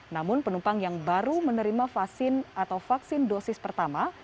namun penumpang yang baru menerima vaksin atau vaksin dosis pertama